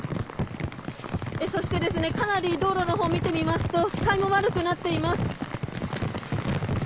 そして、かなり道路のほうを見てみますと視界も悪くなっています。